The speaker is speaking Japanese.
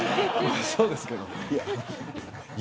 そうですけど。